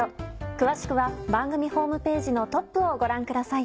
詳しくは番組ホームページのトップをご覧ください。